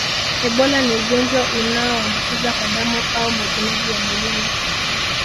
Ebola ni ugonjwa unaoambukiza kwa damu au majimaji ya mwilini